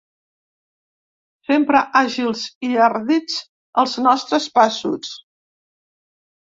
Sempre àgils i ardits els nostres passos.